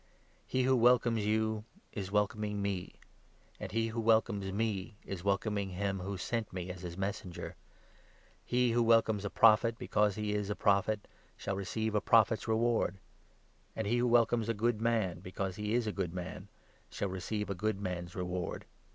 He who welcomes you is welcoming me ; and he who welcomes me is welcoming him who sent me as his Messenger. He who welcomes a Prophet, because he is a Prophet, shall receive a Prophet's reward ; and he who welcomes a good man, because he is a good man, shall receive a good man's reward.